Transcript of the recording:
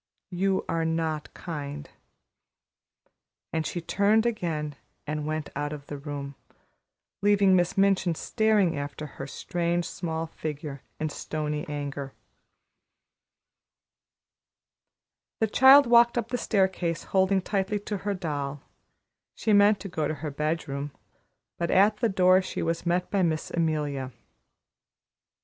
"You are not kind." And she turned again and went out of the room, leaving Miss Minchin staring after her strange, small figure in stony anger. The child walked up the staircase, holding tightly to her doll; she meant to go to her bedroom, but at the door she was met by Miss Amelia.